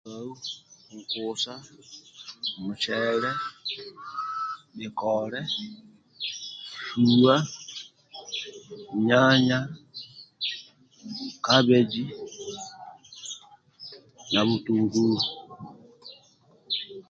Kau nkusa, mucele, bhikole, nkuwa, nyanya, kabeji na butungulu.